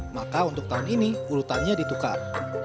maka untuk tahun ini urutannya ditukar